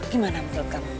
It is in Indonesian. gimana menurut kamu